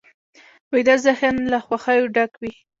ویده ذهن له خوښیو ډک وي